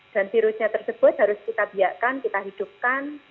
dan virusnya tersebut harus kita biakkan kita hidupkan